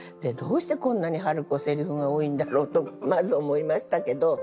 どうしてこんなに治子セリフが多いんだろうとまず思いましたけど。